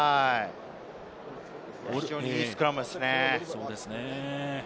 非常にいいスクラムですね。